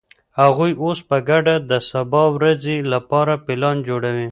هغوی اوس په ګډه د سبا ورځې لپاره پلان جوړوي.